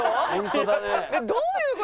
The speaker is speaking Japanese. どういう事？